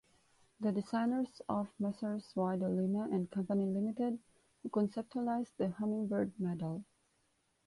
The designers of Messrs Y. DeLima and Company Limited, who conceptualised the Hummingbird Medal.